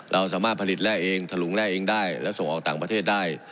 เราสามารถผลิตแร่เองถลุงแร่เองได้แล้วส่งออกต่างประเทศได้